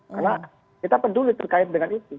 karena kita peduli terkait dengan itu